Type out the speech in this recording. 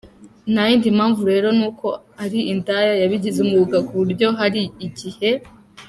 ntayindi mpamvu rero nuko ari indaya yabigize umwuga kuburyo hari igihe.